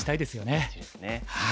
大事ですね。